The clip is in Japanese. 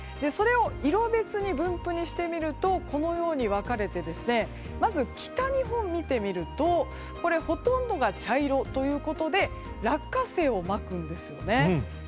それを色別に分布にしてみるとこのように分かれてまず北日本を見てみるとほとんどが茶色ということで落花生をまくんですよね。